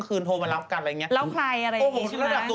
ถูกก็แหละหล่อยก็ตอบไปแหละ